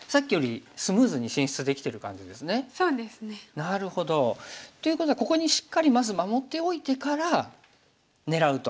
なるほど。ということはここにしっかりまず守っておいてから狙うと。